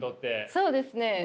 そうですね。